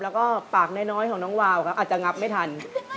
แล้วก็ปากน้อยของน้องวาวครับอาจจะงับไม่ทัน